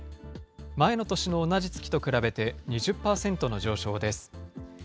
前の年の同じ月と比べて２０％の上昇です。